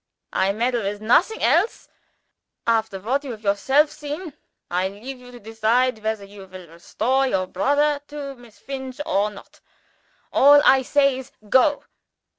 I meddle with nothing else. After what you have yourself seen, I leave you to decide whether you will restore your brother to Miss Finch, or not. All I say is, Go.